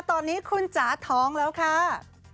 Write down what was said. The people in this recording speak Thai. ตอนนี้คุณจ๋าท้องแล้วค่ะ